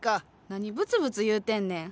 何ブツブツ言うてんねん！